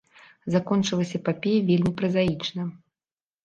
Закончылася эпапея вельмі празаічна.